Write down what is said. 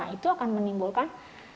itu akan menimbulkan